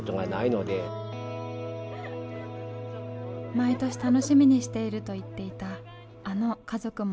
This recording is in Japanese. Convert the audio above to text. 毎年楽しみにしていると言っていたあの家族も。